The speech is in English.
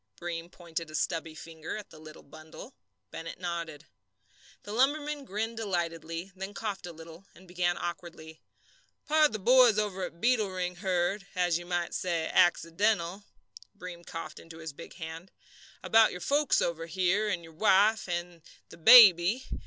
Breem pointed a stubby finger at the little bundle. Bennett nodded. The lumberman grinned delightedly, then coughed a little, and began awkwardly: "Pard, th' boys over at Beetle Ring heard as you might say, accidental" Breem coughed into his big hand "about your folks over here, your wife and the baby.